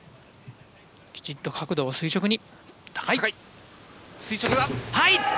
きちっと角度を垂直に。